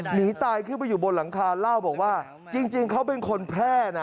หนีตายขึ้นไปอยู่บนหลังคาเล่าบอกว่าจริงเขาเป็นคนแพร่นะ